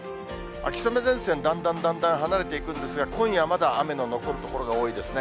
秋雨前線、だんだんだんだん離れていくんですが、今夜まだ、雨の残る所が多いですね。